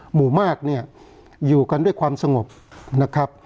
หมู่มากเนี่ยอยู่กันด้วยความสงบนะครับ